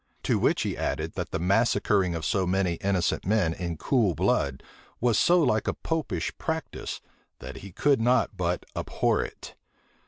To which he added, that the massacring of so many innocent men in cool blood was so like a Popish practice, that he could not but abhor it.